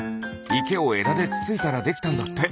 いけをえだでつついたらできたんだって。